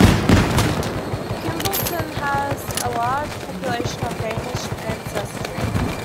Kimballton has a large population of Danish ancestry.